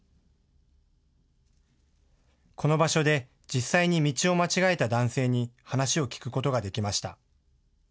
この場所で実際に道を間違えた男性に話を聞くことができました。